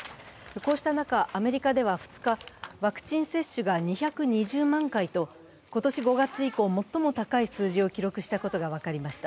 こうした中、アメリカでは２日、ワクチン接種が２２０万回と今年５月以降最も高い数字を記録したことが分かりました。